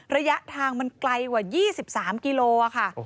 ระยะทางมันไกลกว่า๒๓กิโลค่ะ